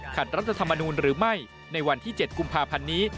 รัฐธรรมนูลหรือไม่ในวันที่๗กุมภาพันธ์นี้